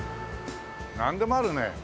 なんでもあるね。